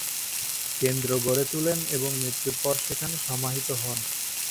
কেন্দ্র গড়ে তুলেন এবং মৃত্যুর পর সেখান সমাহিত হন।